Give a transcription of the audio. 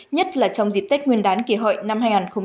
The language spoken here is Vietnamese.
nhất là trong dịp tết nguyên đán kỳ hội năm hai nghìn một mươi chín